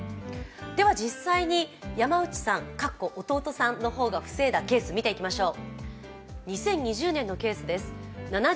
では実際に山内さん、弟さんの方が防いだケース見ていきましょう。